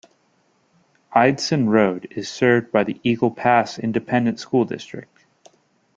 Eidson Road is served by the Eagle Pass Independent School District.